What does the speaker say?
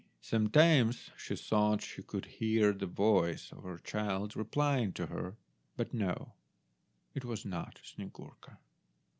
Sometimes she thought she could hear the voice of her child replying to her; but no, it was not Snyegurka.